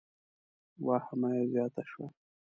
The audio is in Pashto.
واهمه یې زیاته شوه.